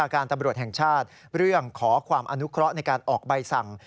การตำรวจแห่งชาติเรื่องขอความอนุเคราะห์ในการออกใบสั่ง